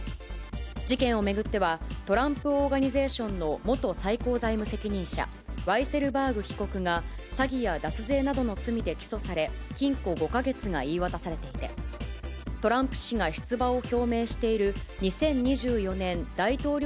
事件を巡っては、トランプ・オーガニゼーションの元最高財務責任者、ワイセルバーグ被告が詐欺や脱税などの罪で起訴され、禁錮５か月が言い渡されていて、さて、外出てきました。